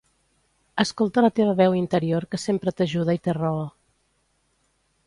Escolta la teva veu interior que sempre t'ajuda i té raó